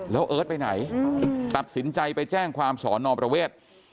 แล้วเอิร์ทไปไหนตัดสินใจไปแจ้งความสอนอประเวท